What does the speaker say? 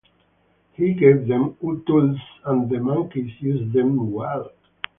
He gave them tools, and the monkeys used them well.